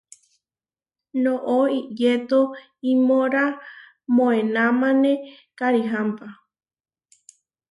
Noʼó iyéto iʼmora moenamané karihámpa.